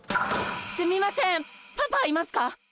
すみませんパパいますか？